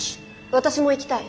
私も行きたい。